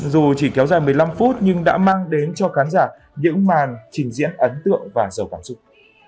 dù chỉ kéo dài một mươi năm phút nhưng đã mang đến cho khán giả những màn trình diễn ấn tượng và giàu cảm xúc